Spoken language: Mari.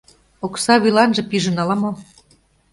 Окса вӱланже пижын ала-мо...